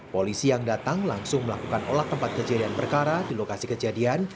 polisi yang datang langsung melakukan olah tempat kejadian perkara di lokasi kejadian